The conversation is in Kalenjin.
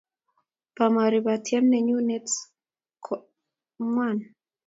Bomori patiem nenyun net ako ngwan